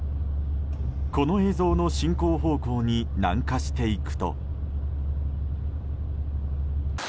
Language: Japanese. この映像の進行方向に南下していくと。